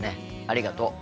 ありがとう。